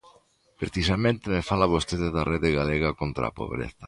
Precisamente me fala vostede da Rede galega contra a pobreza.